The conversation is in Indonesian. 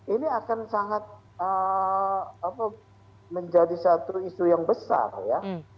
ini akan sangat menjadi satu isu yang besar ya